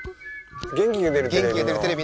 「元気が出るテレビ！！」